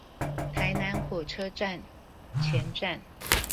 臺南火車站前站